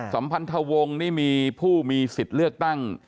สัมพันธวงศ์นี่มีผู้มีสิทธิ์เลือกตั้ง